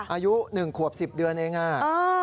อายุ๑ขวบ๑๐เดือนเองอ่ะ